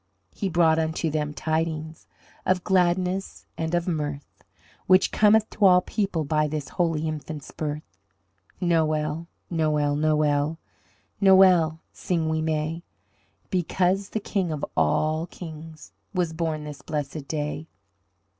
He brought unto them tidings Of gladness and of mirth, Which cometh to all people by This holy infant's birth. Noel, noel, noel, Noel sing we may Because the King of all Kings Was born this blessed day.